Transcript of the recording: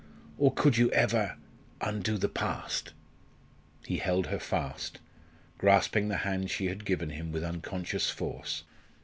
or, could you ever undo the past " He held her fast, grasping the hand she had given him with unconscious force.